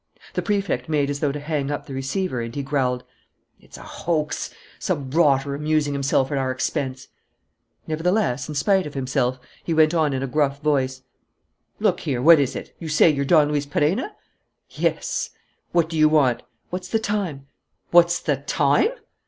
The Prefect made as though to hang up the receiver; and he growled: "It's a hoax. Some rotter amusing himself at our expense." Nevertheless, in spite of himself, he went on in a gruff voice: "Look here, what is it? You say you're Don Luis Perenna?" "Yes." "What do you want?" "What's the time?" "What's the time!"